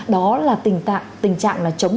đó là tình trạng chống